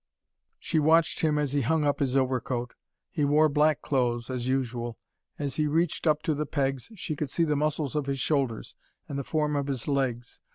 She watched him as he hung up his overcoat. He wore black clothes, as usual. As he reached up to the pegs, she could see the muscles of his shoulders, and the form of his legs.